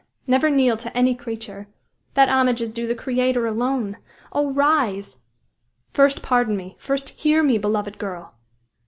Never kneel to any creature; that homage is due the Creator alone. Oh, rise!" "First pardon me first hear me, beloved girl!"